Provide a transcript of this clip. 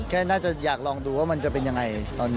น่าจะอยากลองดูว่ามันจะเป็นยังไงตอนนี้